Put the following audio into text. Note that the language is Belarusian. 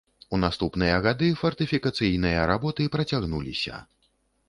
У наступныя гады фартыфікацыйныя работы працягнуліся.